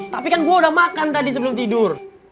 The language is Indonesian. tapi kan gue udah makan tadi sebelum tidur